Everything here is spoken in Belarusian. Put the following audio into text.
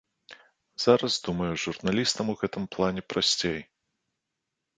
Зараз, думаю, журналістам у гэтым плане прасцей.